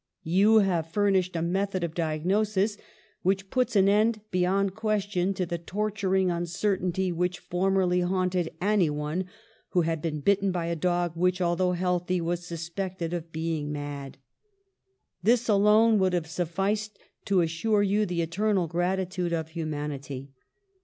You have furnished a method of diagnosis which puts an end, beyond ques tion, to the torturing uncertainty which for merly haunted anyone who had been bitten by a dog which, although healthy, was suspected of being mad. This alone would have sufficed to assure you the eternal gratitude of humanity.